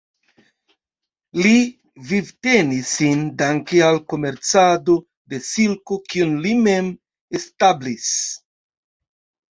Li vivtenis sin danke al komercado de silko kiun li mem establis.